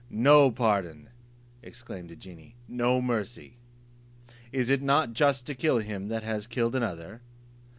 "No pardon," exclaimed the genie, "no mercy. Is it not just to kill him that has killed another?"